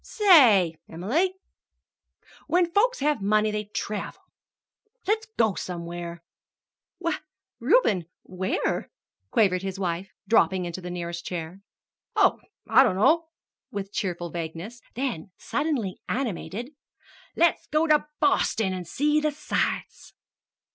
"Say, Em'ly, when folks have money they travel. Let's go somewhere!" "Why, Reuben where?" quavered his wife, dropping into the nearest chair. "Oh, I dunno," with cheerful vagueness; then, suddenly animated, "Let's go to Boston and see the sights!"